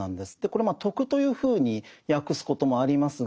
これ「徳」というふうに訳すこともありますが